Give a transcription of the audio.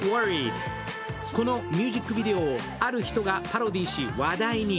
このミュージックビデオをある人がパロディーし、話題に。